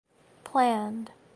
Planned.